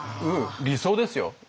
理想ですよ。